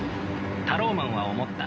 タローマンは思った。